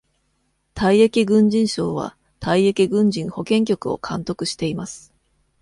退役軍人省は、退役軍人保健局を監督しています。